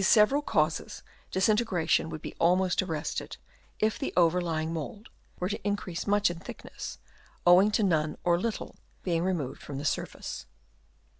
several causes disintegration would be almost arrested, if the overlying mould were to increase much in thickness, owing to none or little being removed from the surface.